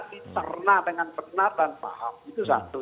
jadi pernah dengan benar dan paham itu satu